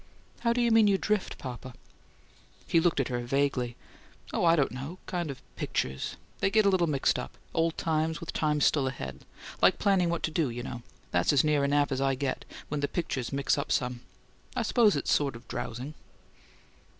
"How do you mean you drift, papa?" He looked at her vaguely. "Oh, I don't know. Kind of pictures. They get a little mixed up old times with times still ahead, like planning what to do, you know. That's as near a nap as I get when the pictures mix up some. I suppose it's sort of drowsing."